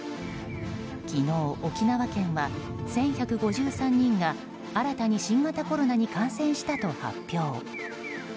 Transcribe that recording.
昨日、沖縄県は１１５３人が新たに新型コロナに感染したと発表。